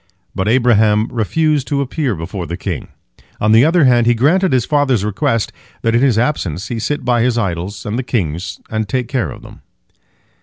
But Abraham refused to appear before the king. On the other hand, he granted his father's request that in his absence he sit by his idols and the king's, and take care of them.